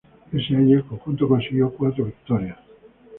Ese año el conjunto consiguió cuatro victorias.